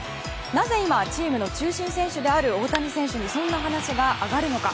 なぜ今チームの中心選手である大谷選手にそんな話が挙がるのか。